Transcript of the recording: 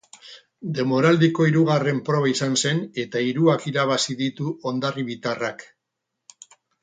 Denboraldiko hirugarren proba izan zen eta hiruak irabazi ditu hondarribitarrak.